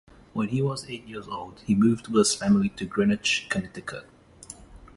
When he was eight years old he moved with his family to Greenwich, Connecticut.